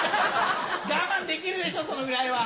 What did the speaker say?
我慢できるでしょそのぐらいは！